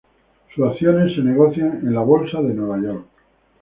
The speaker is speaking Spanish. Sus acciones se negocian en la bolsa de Nueva York.